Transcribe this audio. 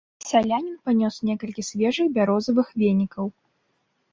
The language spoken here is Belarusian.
Селянін панёс некалькі свежых бярозавых венікаў.